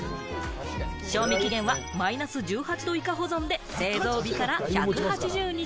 賞味期限はマイナス１８度以下の保存で製造日から１８０日。